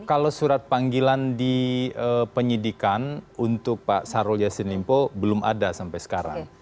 kalau surat panggilan di penyidikan untuk pak syahrul yassin limpo belum ada sampai sekarang